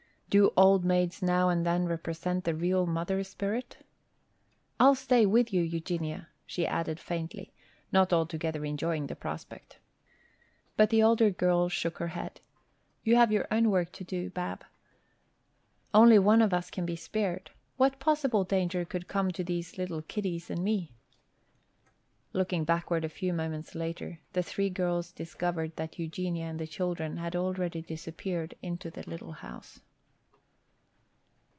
Do old maids now and then represent the real mother spirit? "I'll stay with you, Eugenia," she added faintly, not altogether enjoying the prospect. But the older girl shook her head. "You have your own work to do, Bab. Only one of us can be spared. What possible danger could come to these little kiddies and me?" Looking backward a few moments later, the three girls discovered that Eugenia and the children had already disappeared inside the little house.